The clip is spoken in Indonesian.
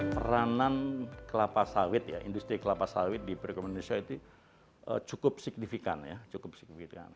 peranan industri kelapa sawit di perikuman indonesia cukup signifikan